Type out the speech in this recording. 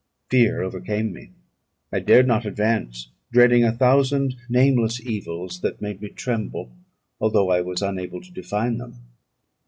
Fear overcame me; I dared not advance, dreading a thousand nameless evils that made me tremble, although I was unable to define them.